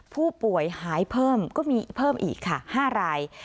ผู้ป่วยหายเพิ่มก็มีเพิ่มอีกค่ะ๕ราย